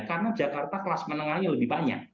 karena jakarta kelas menengahnya lebih banyak